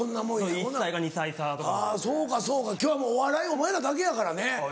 そうかそうか今日はお笑いお前らだけやからね。